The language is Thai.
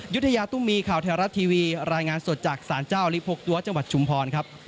ยุธยาตุ้มมีข่าวไทยรัฐทีวีรายงานสดจากสารเจ้าลิฟ๖ตัวจังหวัดชุมพรครับ